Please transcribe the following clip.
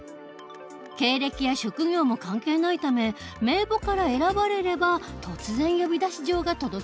経歴や職業も関係ないため名簿から選ばれれば突然呼出状が届けられる事に。